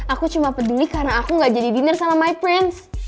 aku cuma peduli karena aku gak jadi dinner sama my prince